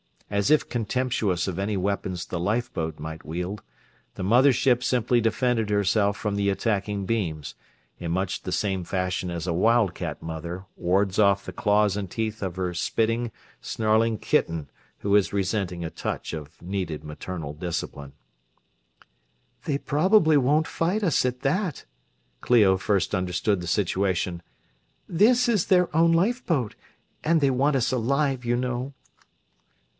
As if contemptuous of any weapons the lifeboat might wield, the mother ship simply defended herself from the attacking beams, in much the same fashion as a wildcat mother wards off the claws and teeth of her spitting, snarling kitten who is resenting a touch of needed maternal discipline. "They probably won't fight us, at that," Clio first understood the situation. "This is their own lifeboat, and they want us alive, you know."